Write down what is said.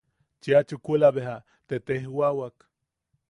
Cheʼa chukula bea te tejwawak: